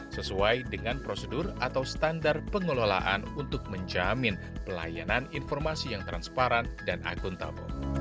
sesuai dengan prosedur atau standar pengelolaan untuk menjamin pelayanan informasi yang transparan dan akuntabel